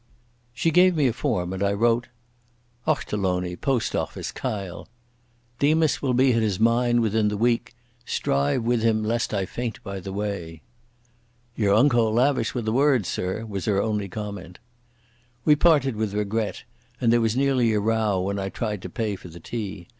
She gave me a form, and I wrote: Ochterlony. Post Office, Kyle.—Demas will be at his mine within the week. Strive with him, lest I faint by the way. "Ye're unco lavish wi' the words, sir," was her only comment. We parted with regret, and there was nearly a row when I tried to pay for the tea.